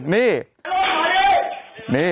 นี่นี่